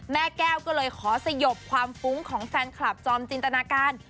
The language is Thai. แม่แก้วก็เลยขอสยบความฟุ้งของแฟนคลับจอมจินตนาการ